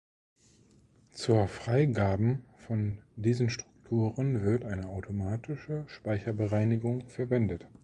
Zur Freigaben von diesen Strukturen wird eine automatische Speicherbereinigung verwendet.